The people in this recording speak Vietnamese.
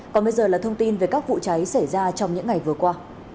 còn bây giờ là thông tin về các vụ cháy xảy ra trong những ngày vừa qua